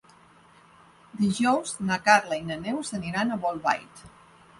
Dijous na Carla i na Neus aniran a Bolbait.